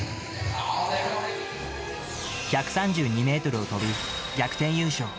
１３２メートルを飛び、逆転優勝。